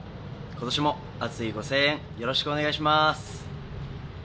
今年も熱いご声援よろしくお願いします。